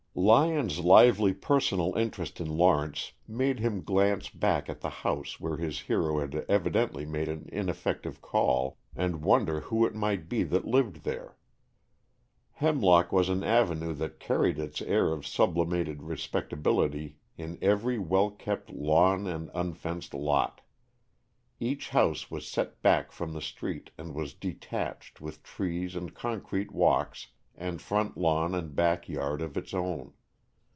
Lyon's lively personal interest in Lawrence made him glance back at the house where his hero had evidently made an ineffective call, and wonder who it might be that lived there. Hemlock was an avenue that carried its air of sublimated respectability in every well kept lawn and unfenced lot. Each house was set back from the street and was "detached," with trees and concrete walks and front lawn and back yard of its own.